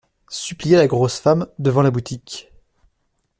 Supplia la grosse femme, devant la boutique.